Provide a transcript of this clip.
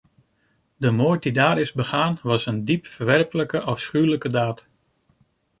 De moord die daar is begaan was een diep verwerpelijke, afschuwelijke daad.